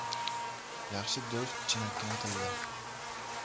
• Yaxshi do‘st — chinakam tilla.